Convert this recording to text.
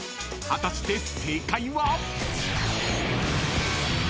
［果たして正解は？］